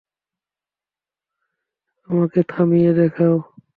আমাকে থামিয়ে দেখাও।